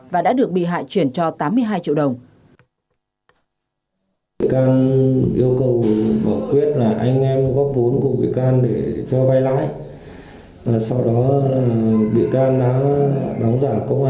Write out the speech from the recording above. và đã được bị hại chuyển cho tám mươi hai triệu đồng